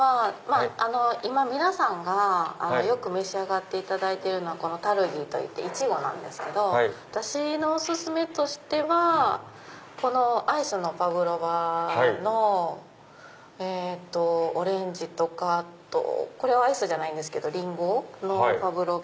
皆さんがよく召し上がっていただいてるのはタルギイチゴなんですけど私のお薦めとしてはアイスのパブロバのオレンジとかこれはアイスじゃないんですけどリンゴのパブロバ